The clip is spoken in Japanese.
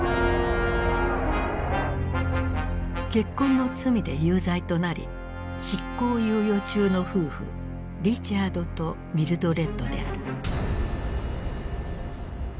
結婚の罪で有罪となり執行猶予中の夫婦リチャードとミルドレッドである。